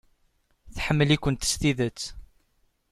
Tḥemmel-ikent s tidet.